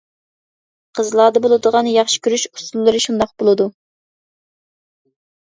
قىزلاردا بولىدىغان ياخشى كۆرۈش ئۇسۇللىرى شۇنداق بولىدۇ.